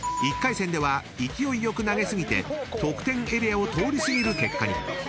［１回戦では勢いよく投げ過ぎて得点エリアを通り過ぎる結果に］